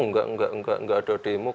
nggak ada demo